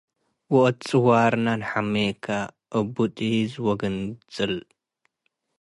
ወእት ጽዋርነ ነሐሜከ - አቡ ጢዝ ወግንጽል፣